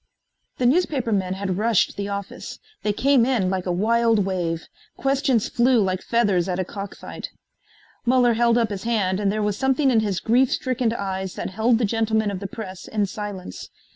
The newspapermen had rushed the office. They came in like a wild wave. Questions flew like feathers at a cock fight. Muller held up his hand and there was something in his grief stricken eyes that held the gentlemen of the press in silence.